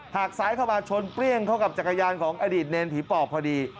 กซ้ายเข้ามาชนเปรี้ยงเข้ากับจักรยานของอดีตเนรผีปอบพอดี